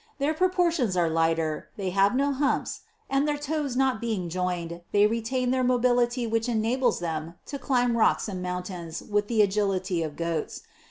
Their proportions are lighter : they have no humps, and their toes not being joined, they retain their mobility which enables them to climb rocks and mountains with the agility of Goats.